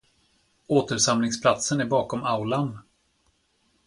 Återsamlingsplatsen är bakom aulan.